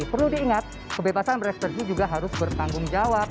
perlu diingat kebebasan berekspergi juga harus bertanggung jawab